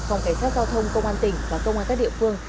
phòng cảnh sát giao thông công an tỉnh và công an các địa phương